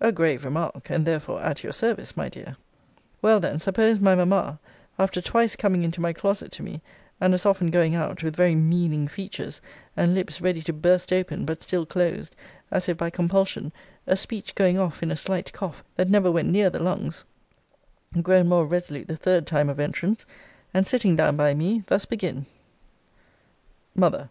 A grave remark, and therefore at your service, my dear. Well then, suppose my mamma, (after twice coming into my closet to me, and as often going out, with very meaning features, and lips ready to burst open, but still closed, as if by compulsion, a speech going off in a slight cough, that never went near the lungs,) grown more resolute the third time of entrance, and sitting down by me, thus begin: Mother.